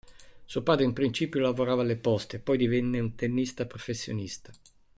Suo padre in principio lavorava alle poste, poi divenne un tennista professionista.